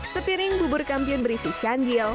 sepiring bubur kambing berisi candil